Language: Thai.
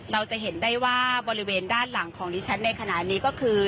เราจะเห็นได้ว่าบริเวณด้านหลังของดิฉันในขณะนี้ก็คือ